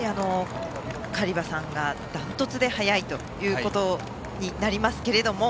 カリバさんがダントツで速いということになりますけれども。